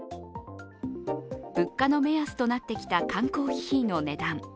物価の目安となってきた缶コーヒーの値段。